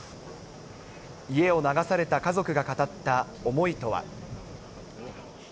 家を流された家族が語った思いとは。